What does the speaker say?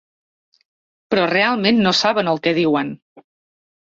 Però realment no saben el que diuen.